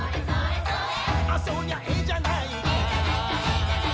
「あそりゃえじゃないか」